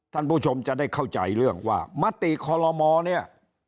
ท่านผู้ชมจะได้เข้าใจเรื่องว่ามติคอลโลมอเนี่ย